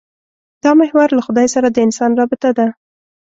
دا محور له خدای سره د انسان رابطه ده.